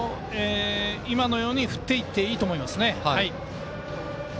今のように振っていっていいと思いますね。